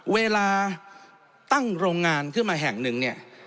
เวลาตั้งโรงงานขึ้นมาแห่งหนึ่งเนี่ย